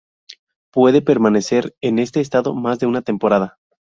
Puede permanecer en este estado más de una temporada.